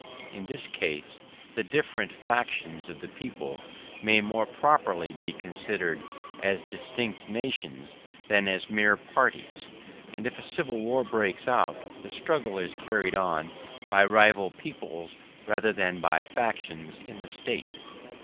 In this case the different fractions of the people may more properly be considered as distinct nations than as mere parties; and if a civil war breaks out, the struggle is carried on by rival peoples rather than by factions in the State.